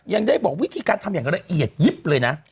ยังได้บอกวิธีการทำอย่างละเอียดยิบเลยนะ